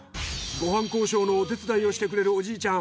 ご飯交渉のお手伝いをしてくれるおじいちゃん。